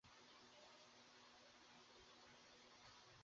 একজন নামকরা মনোবিজ্ঞানী একবার বলেছিলেন, মা-বাবারা মনে করেন তাঁরা সন্তানের বন্ধু।